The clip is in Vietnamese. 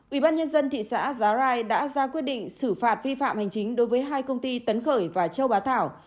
ủy ban nhân dân thị xã giá rai đã ra quyết định xử phạt vi phạm hành chính đối với hai công ty tấn khởi và châu bá thảo